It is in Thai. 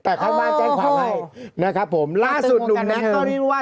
แต่ข้างบ้านแจ้งความใหม่นะครับผมล่าสุดหนุ่มนักเขาเรียกว่า